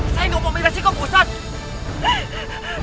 saya gak mau melihatnya pak ustadz